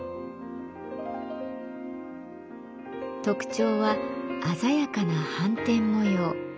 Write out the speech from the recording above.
特徴は鮮やかな斑点模様。